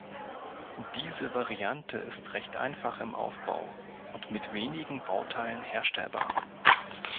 Diese Variante ist recht einfach im Aufbau und mit wenigen Bauteilen herstellbar.